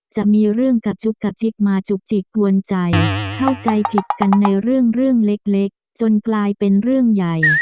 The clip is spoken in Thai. จะมีเรื่องกระจุกกระจิกมาจุกจิกกวนใจเข้าใจผิดกันในเรื่องเล็กจนกลายเป็นเรื่องใหญ่